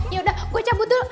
yaudah gue cabut dulu